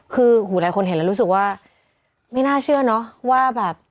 คือหลายคนเห็นแล้วรู้สึกว่าไม่น่าเชื่อเนอะว่าแบบ